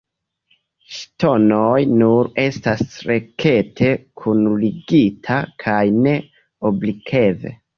Ŝtonoj nur estas rekte kunligita kaj ne oblikve.